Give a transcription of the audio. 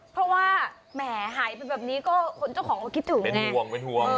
เพราะว่าแหมหายไปแบบนี้ก็คนเจ้าของก็คิดถึงเป็นห่วงเป็นห่วง